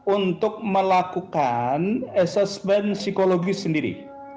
untuk melakukan asesmen psikologis sendiri